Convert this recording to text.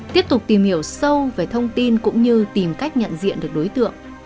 tiếp tục tìm hiểu sâu về thông tin cũng như tìm cách nhận diện được đối tượng